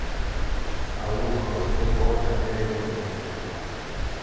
A uva pode ser roxa, verde ou vermelha.